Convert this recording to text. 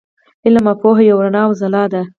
علم او پوهه یوه رڼا او ځلا ده.